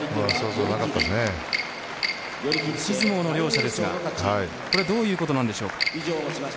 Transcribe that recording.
押し相撲の両者ですがどういうことなんでしょうか？